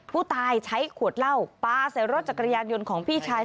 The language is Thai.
ผู้ตายใช้ขวดเหล้าปลาใส่รถจักรยานยนต์ของพี่ชาย